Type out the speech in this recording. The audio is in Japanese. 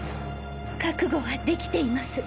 覚悟はできています。